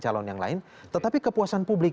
calon yang lain tetapi kepuasan publik